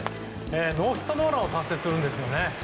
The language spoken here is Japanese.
ノーヒットノーランを達成するんですね。